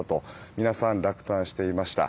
皆さん、落胆していました。